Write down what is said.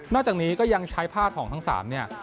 จากนี้ก็ยังใช้ผ้าของทั้ง๓เนี่ย